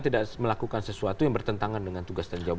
tidak melakukan sesuatu yang bertentangan dengan tugas dan jawaban